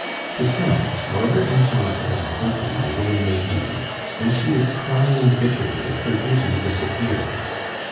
Besides, however angelical and saintly a woman may be, when she is crying bitterly her beauty disappears.